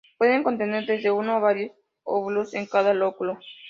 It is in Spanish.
Pueden contener desde uno a varios óvulos en cada lóculo.